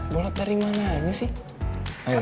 bolot dari mana aja sih